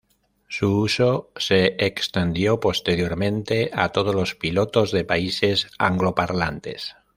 Su uso se extendió posteriormente a todos los pilotos de países angloparlantes.